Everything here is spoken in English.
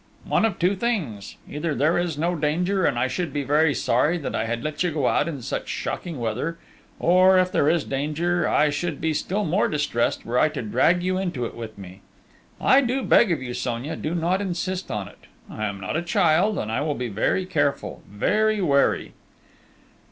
One of two things: either there is no danger, and I should be very sorry that I had let you go out in such shocking weather; or, if there is danger, I should be still more distressed were I to drag you into it with me.... I do beg of you, Sonia, do not insist on it.... I am not a child!... And I will be very careful very wary!..."